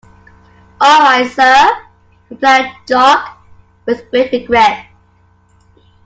All right, Sir, replied Jock with great regret.